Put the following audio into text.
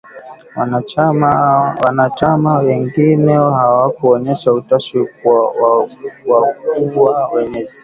Wanachama wengine hawakuonyesha utashi wa kuwa wenyeji.